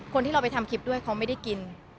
คนที่เราไปทำคลิปด้วยเขาไม่ได้กิน